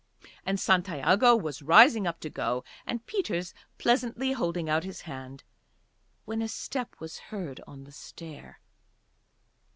And Santiago was rising up to go, and Peters pleasantly holding out his hand, when a step was heard on the stair.